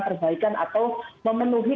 perbaikan atau memenuhi